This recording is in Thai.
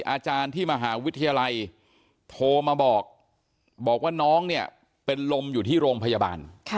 อาจารย์ที่มหาวิทยาลัยโทรมาบอกบอกว่าน้องเนี่ยเป็นลมอยู่ที่โรงพยาบาล